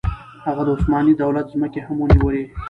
هغه د عثماني دولت ځمکې هم ونیولې.